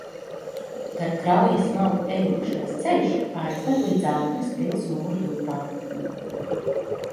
Gar kraujas malu ejošais ceļš aizved līdz Altenes pils mūru drupām.